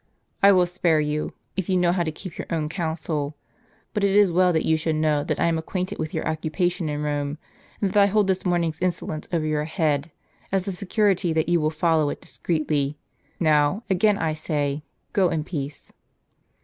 I will spare you, if you know how to keep your own counsel; but it is well that you should know, that I am acquainted with your occupation in Rome; and that I hold this morning's insolence over your head, as a security that you will follow it discreetly. Now, again I say, go in peace."